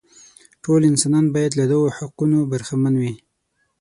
ټول انسانان باید له دغو حقونو برخمن وي.